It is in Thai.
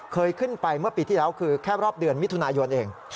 เคยขึ้นไปเมื่อปีที่แล้วคือแค่รอบเดือนมิถุนายนเอง